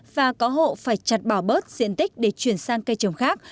và có hộ phải chặt bỏ bớt diện tích để chuyển sang cây trồng khác